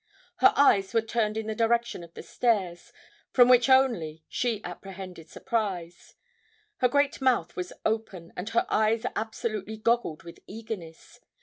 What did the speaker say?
Her eyes were turned in the direction of the stairs, from which only she apprehended surprise. Her great mouth was open, and her eyes absolutely goggled with eagerness.